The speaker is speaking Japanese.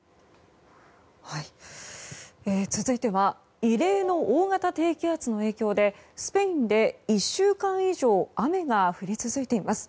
続いては異例の大型低気圧の影響でスペインで１週間以上雨が降り続いています。